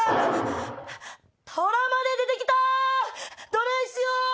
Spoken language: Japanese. どないしよう